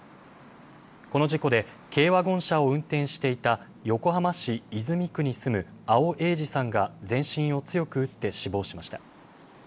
この事故で軽ワゴン車を運転していた横浜市泉区に住む阿尾栄治さんが全身を強く打って死亡しました。